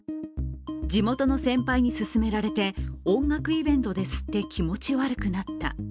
地元の先輩に勧められて音楽イベントで吸って気持ち悪くなった。